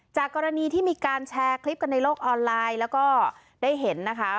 จากกรณีที่มีการแชร์คลิปกันในโลกออนไลน์แล้วก็ได้เห็นนะคะ